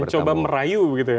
mencoba merayu gitu ya